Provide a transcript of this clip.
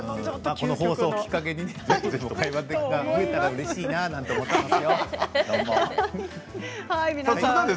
この放送をきっかけに会話できたらうれしいななんて思っていますよ。